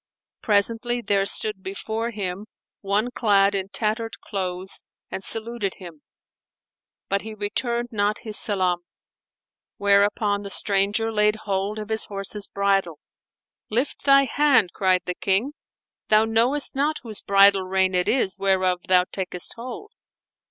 Presently, there stood before him one clad in tattered clothes and saluted him, but he returned not his salam; whereupon the stranger laid hold of his horse's bridle. "Lift thy hand," cried the King, "thou knowest not whose bridle rein it is whereof thou takest hold."